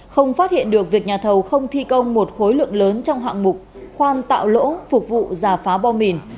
không phát hiện được việc nhà thầu không thi công một khối lượng lớn trong hạng mục khoan tạo lỗ phục vụ giả phá bom mìn